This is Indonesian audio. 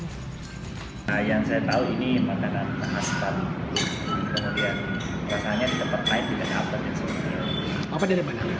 yang saya tahu ini makanan khas bali kemudian rasanya di tempat lain di kota apa dari mana